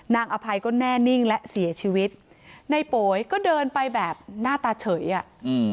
อภัยก็แน่นิ่งและเสียชีวิตในโป๋ยก็เดินไปแบบหน้าตาเฉยอ่ะอืม